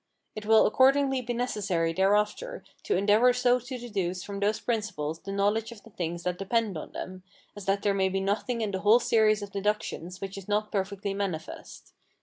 It will accordingly be necessary thereafter to endeavour so to deduce from those principles the knowledge of the things that depend on them, as that there may be nothing in the whole series of deductions which is not perfectly manifest.